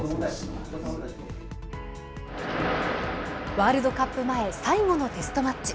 ワールドカップ前、最後のテストマッチ。